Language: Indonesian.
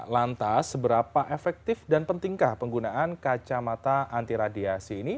lantas seberapa efektif dan pentingkah penggunaan kacamata anti radiasi ini